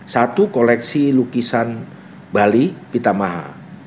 satu koleksi lukisan bali pitamaha